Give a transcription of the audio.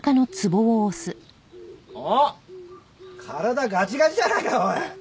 あっ体ガチガチじゃないかおい！